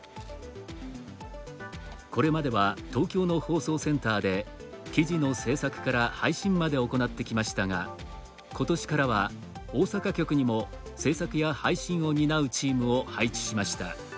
これまでは東京の放送センターで記事の制作から配信まで行ってきましたが、ことしからは大阪局にも制作や配信を担うチームを配置しました。